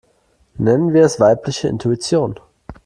Nennen wir es weibliche Intuition.